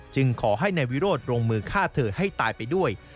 ขอให้นายวิโรธลงมือฆ่าเธอให้ตายไปด้วย